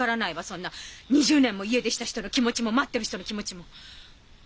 そんな２０年も家出した人の気持ちも待ってる人の気持ちも。